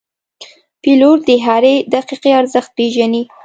پیلوټ د هرې دقیقې ارزښت پېژني.